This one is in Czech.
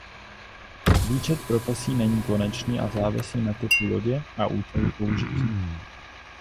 Výčet profesí není konečný a závisí na typu lodě a účelu použití.